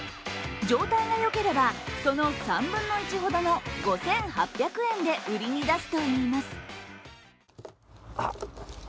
状態がよければその３分の１ほどの５８００円で売りに出すといいます。